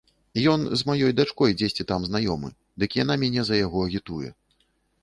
Ён з маёй дачкой дзесьці там знаёмы, дык яна мяне за яго агітуе.